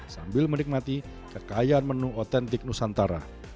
sambil menikmati kekayaan menu otentik nusantara